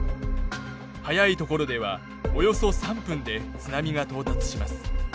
速いところではおよそ３分で津波が到達します。